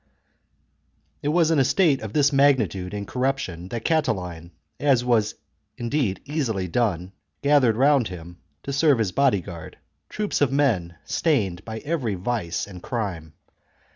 It was in a state of this magnitude and corruption that Catiline, as was indeed easily done, gathered round him, to serve as body guard, troops of men stained by every vice and crime.